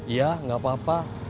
iya enggak apa apa